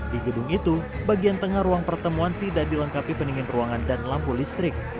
di gedung itu bagian tengah ruang pertemuan tidak dilengkapi pendingin ruangan dan lampu listrik